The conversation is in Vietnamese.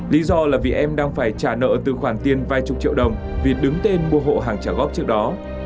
lý do là vì em đang phải trả nợ từ khoản tiền vài chục triệu đồng vì đứng tên mua hộ hàng trả góp trước đó